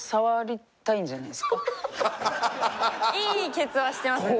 いいケツはしてますよね。